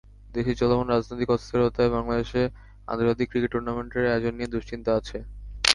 দেশের চলমান রাজনৈতিক অস্থিরতায় বাংলাদেশে আন্তর্জাতিক ক্রিকেট টুর্নামেন্টের আয়োজন নিয়ে দুশ্চিন্তা আছে।